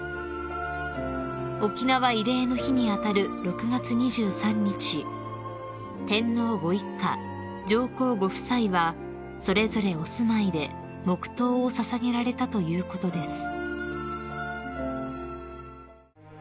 ［沖縄慰霊の日に当たる６月２３日天皇ご一家上皇ご夫妻はそれぞれお住まいで黙とうを捧げられたということです］